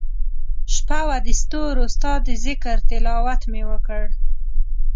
شپه وه دستورو ستا دذکرتلاوت مي وکړ